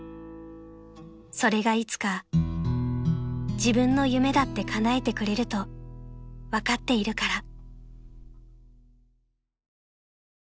［それがいつか自分の夢だってかなえてくれると分かっているから］